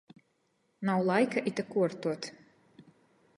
Nav laika ite kuortuot.